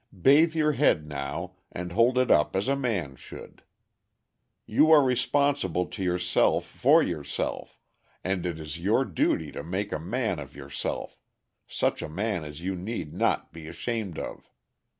Bathe your head now, and hold it up as a man should. You are responsible to yourself for yourself, and it is your duty to make a man of yourself such a man as you need not be ashamed of.